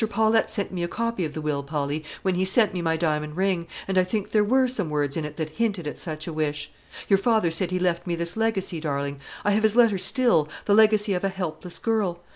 Paulette sent me a copy of the will, Polly, when he sent my diamond ring; and I think there were some words in it that hinted at such a wish. Your father said he left me this legacy, darling, I have his letter still, the legacy of a helpless girl.